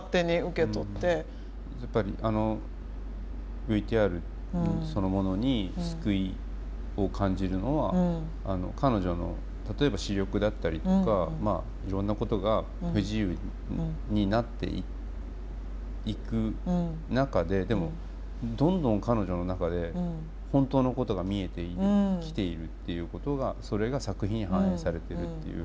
やっぱりあのＶＴＲそのものに救いを感じるのは彼女の例えば視力だったりとかいろんなことが不自由になっていく中ででもどんどん彼女の中で本当のことが見えてきているっていうことがそれが作品に反映されてるっていう。